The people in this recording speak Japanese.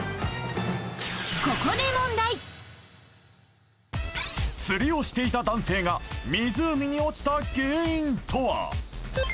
ここで問題釣りをしていた男性が湖に落ちた原因とは？